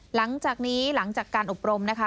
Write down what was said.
หลังจากนี้หลังจากการอบรมนะคะ